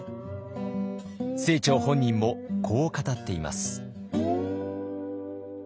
清張本人もこう語っています。